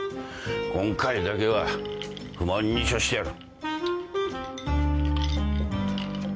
今回だけは不問に処してやる。